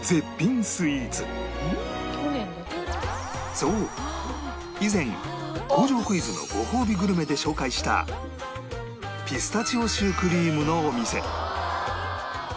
そう以前工場クイズのごほうびグルメで紹介したピスタチオシュークリームのお店